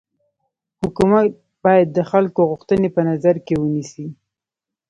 حکومت باید د خلکو غوښتني په نظر کي ونيسي.